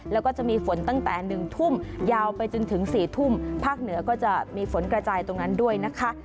แล้วก็จะมีฝนตั้งแต่๑ทุ่มยาวไปจนถึง๔ทุ่มภาคเหนือก็จะมีฝนกระจายตรงนั้นด้วยนะคะ